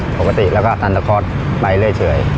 ปกติแล้วก็ตันตะคอร์สไปเรื่อย